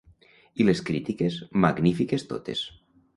I les crítiques, magnífiques totes.